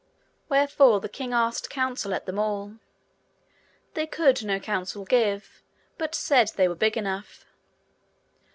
Wherefore the king asked counsel at them all. They could no counsel give, but said they were big enough.